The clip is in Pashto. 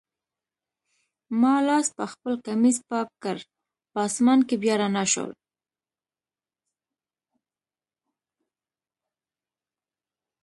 ما لاس پخپل کمیس پاک کړ، په آسمان کي بیا رڼا شول.